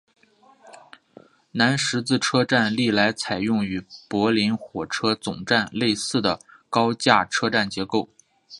南十字车站历来采用与柏林火车总站类似的高架车站结构。